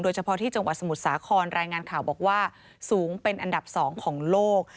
เฉพาะที่จังหวัดสมุทรสาครรายงานข่าวบอกว่าสูงเป็นอันดับ๒ของโลก